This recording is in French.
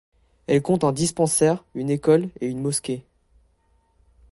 Elle compte un dispensaire, une école, et une mosquée.